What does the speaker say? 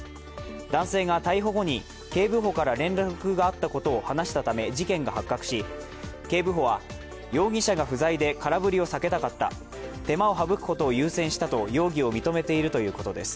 男性が逮捕後に警部補から連絡があったことを話したため事件が発覚し、警部補は、容疑者が不在で空振りを避けたかった手間を省くことを優先したと容疑を認めているということです。